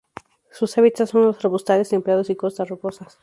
Sus hábitats son los arbustales templados y costas rocosas.